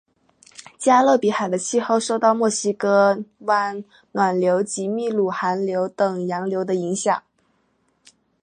加勒比海的气候受到墨西哥湾暖流及秘鲁寒流等洋流的影响。